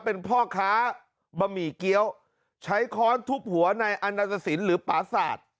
เป็นพ่อค้าบะหมี่เกี้ยวใช้ค้อนทุบหัวในอันนาตสินหรือปราศาสตร์